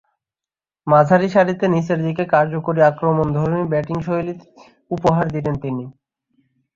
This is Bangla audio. মাঝারিসারিতে নিচেরদিকে কার্যকরী আক্রমণধর্মী ব্যাটিংশৈলী উপহার দিতেন তিনি।